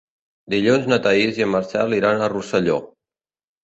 Dilluns na Thaís i en Marcel iran a Rosselló.